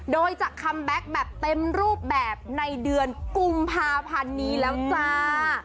โดยจะคัมแบ็คแบบเต็มรูปแบบในเดือนกุมภาพันธ์นี้แล้วจ้า